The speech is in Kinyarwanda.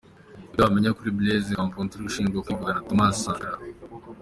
Ibyo wamenya kuri Blaise Compaoré ushinjwa kwivugana Thomas Sankara.